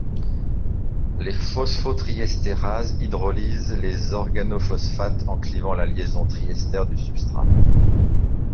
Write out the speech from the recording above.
Les phosphotriestérases hydrolysent les organophosphates en clivant la liaison triester du substrat.